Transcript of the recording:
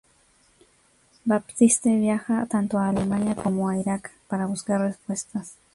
Baptiste viaja tanto a Alemania como a Iraq para buscar respuestas.